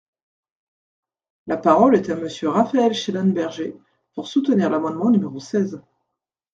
La parole est à Monsieur Raphaël Schellenberger, pour soutenir l’amendement numéro seize.